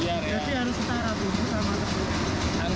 iya jadi harus setara tuh sama tepung